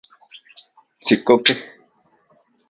Tsikokej